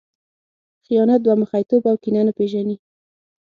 خیانت، دوه مخی توب او کینه نه پېژني.